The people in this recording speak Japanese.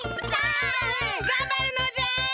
がんばるのじゃい！